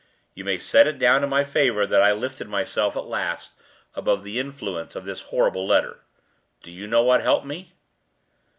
You may set it down in my favor that I lifted myself at last above the influence of this horrible letter. Do you know what helped me?"